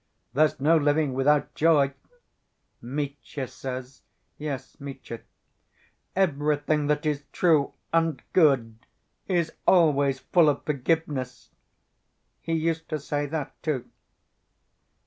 'There's no living without joy,' Mitya says.... Yes, Mitya.... 'Everything that is true and good is always full of forgiveness,' he used to say that, too"